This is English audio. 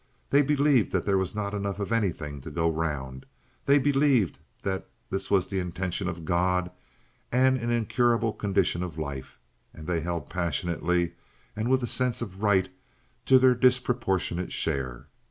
They believed there was not enough of anything to go round, they believed that this was the intention of God and an incurable condition of life, and they held passionately and with a sense of right to their disproportionate share.